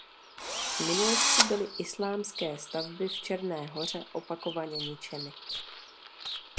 V minulosti byly islámské stavby v Černé Hoře opakovaně ničeny.